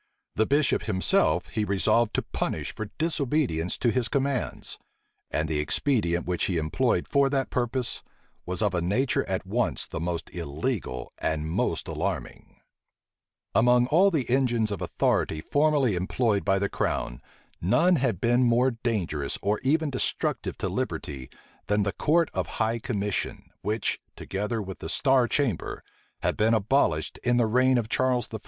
The bishop himself he resolved to punish for disobedience to his commands; and the expedient which he employed for that purpose, was of a nature at once the most illegal and most alarming. * D'Avaux, January 10, 1687. Among all the engines of authority formerly employed by the crown, none had been more dangerous or even destructive to liberty, than the court of high commission, which, together with the star chamber, had been abolished in the reign of Charles I.